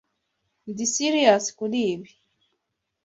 Ndi serieux kuri ibi.